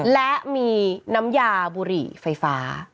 และมีน้ำยาบุหรี่ไฟฟ้า